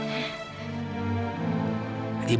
mereka ngapain di sini